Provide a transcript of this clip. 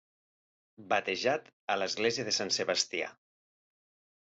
Batejat a l'Església de Sant Sebastià.